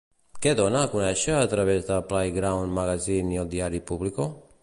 Què dona a conèixer a través de PlayGround Magazine i el diari Público?